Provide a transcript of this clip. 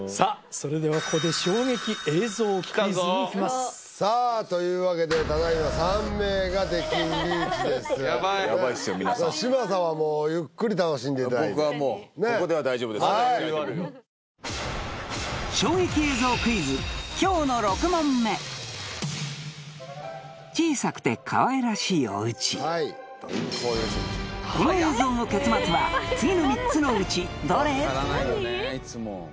それではここでにいきますというわけでただいま３名が出禁リーチですやばい嶋佐はもうゆっくり楽しんでいただいて僕はもうここでは大丈夫ですから今日の６問目小さくてかわいらしいおうち次の３つのうちどれ？